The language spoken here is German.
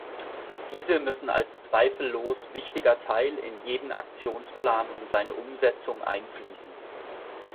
Diese müssen als zweifellos wichtiger Teil in jeden Aktionsplan und seine Umsetzung einfließen.